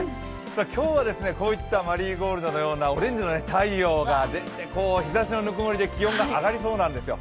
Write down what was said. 今日はこういったマリーゴールドのようなオレンジの太陽が出て日ざしの温もりで気温が上がりそうなんですよ。